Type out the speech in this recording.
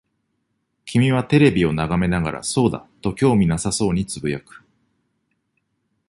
君はテレビを眺めながら、そうだ、と興味なさそうに呟く。